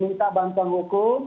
minta bantuan hukum